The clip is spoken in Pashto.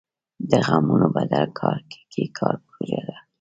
د غنمو بدل کې کار پروژه وه.